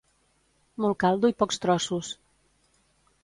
Molt caldo i pocs trossos.